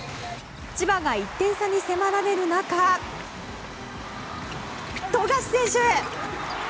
千葉が１点差に迫られる中富樫選手！